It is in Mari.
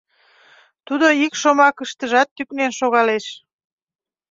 Тудо ик шомакыштыжат тӱкнен шогалеш.